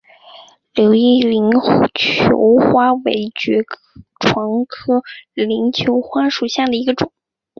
柳叶鳞球花为爵床科鳞球花属下的一个种。